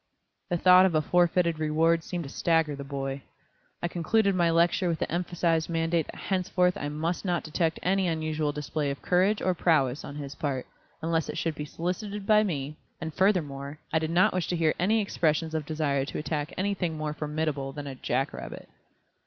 The thought of a forfeited reward seemed to stagger the boy. I concluded my lecture with the emphasized mandate that henceforth I must not detect any unusual display of courage or prowess on his part, unless it should be solicited by me, and furthermore, I did not wish to hear any expressions of desire to attack anything more formidable than a jack rabbit.